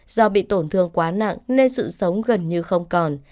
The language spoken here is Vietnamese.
do bị tổn thương quá nặng nên sự sống gần như không còn